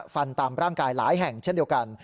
ฟันตามร่างกายหลายแห่งเช่นเดียวกัน